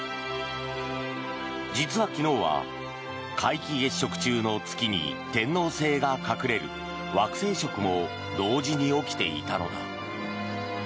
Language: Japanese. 実は昨日は皆既月食中の月に天王星が隠れる惑星食も同時に起きていたのだ。